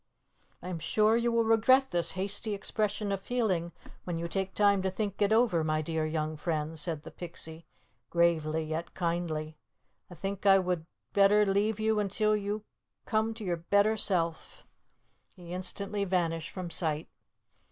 "I am sure you will regret this hasty expression of feeling when you take time to think it over, my dear young friend," said the Pixie, gravely yet kindly. "I think I would better leave you until you come to your better self." He instantly vanished from sight.